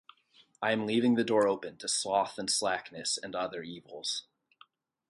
I am leaving the door open to sloth and slackness and other evils.